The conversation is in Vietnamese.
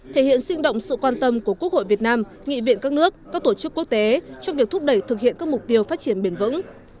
thể hiện sinh động sự quan tâm của quốc hội việt nam nghị viện các nước các tổ chức quốc tế trong việc thúc đẩy thực hiện các mục tiêu phát triển bền vững